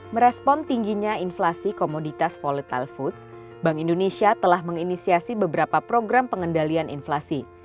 merespon tingginya inflasi komoditas volatile foods bank indonesia telah menginisiasi beberapa program pengendalian inflasi